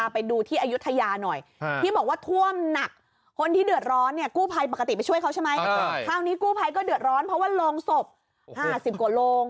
ไปดูที่อายุทยาหน่อยที่บอกว่าท่วมหนักคนที่เดือดร้อนเนี่ยกู้ภัยปกติไปช่วยเขาใช่ไหมคราวนี้กู้ภัยก็เดือดร้อนเพราะว่าโรงศพ๕๐กว่าโรง